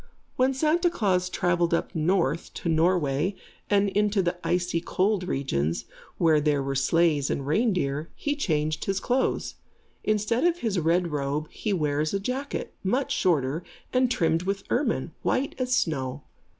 When Santa Klaas travelled up north to Norway and into the icy cold regions, where there were sleighs and reindeer, he changed his clothes. Instead of his red robe, he wears a jacket, much shorter and trimmed with ermine, white as snow.